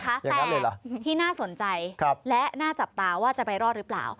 แต่ที่น่าสนใจและน่าจับตาว่าจะไปรอดหรือเปล่า